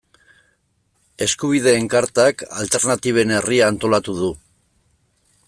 Eskubideen Kartak Alternatiben Herria antolatu du.